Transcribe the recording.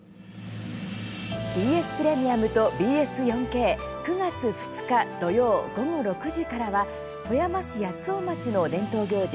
ＢＳプレミアムとＢＳ４Ｋ９月２日土曜、午後６時からは富山市八尾町の伝統行事